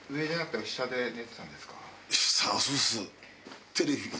下そうです。